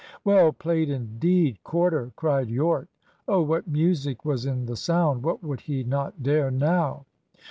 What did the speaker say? "Well played indeed, Corder!" cried Yorke. Oh, what music was in the sound! What would he not dare now!